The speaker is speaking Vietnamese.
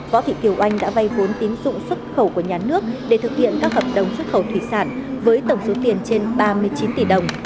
võ thị kiều oanh đã vay vốn tín dụng xuất khẩu của nhà nước để thực hiện các hợp đồng xuất khẩu thủy sản với tổng số tiền trên ba mươi chín tỷ đồng